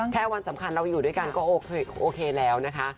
วันสำคัญเราอยู่ด้วยกันก็โอเคแล้วนะคะ